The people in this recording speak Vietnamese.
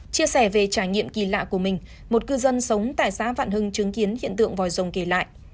chia sẻ về trải nghiệm kỳ lạ của mình một cư dân sống tại xã vạn hưng chứng kiến hiện tượng vòi rồng kể lại